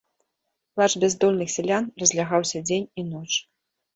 Плач бяздольных сялян разлягаўся дзень і ноч.